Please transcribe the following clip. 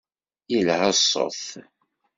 Yelha ṣṣut.